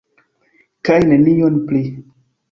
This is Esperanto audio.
Kaj nenion pli.